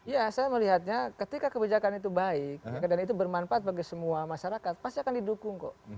ya saya melihatnya ketika kebijakan itu baik dan itu bermanfaat bagi semua masyarakat pasti akan didukung kok